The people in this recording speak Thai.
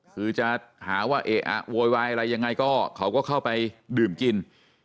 คือจะหาว่าเอ๊ะอะโวยวายอะไรยังไงก็เขาก็เข้าไปดื่มกิน